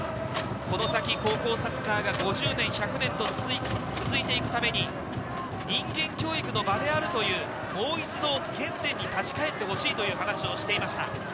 この先、高校サッカーが５０年、１００年と続いていくために、人間教育の場であるという、もう一度、原点に立ち返ってほしいという話をしていました。